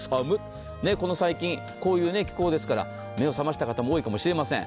この最近、こういう気候ですから、目を覚ました人も多いかもしれません。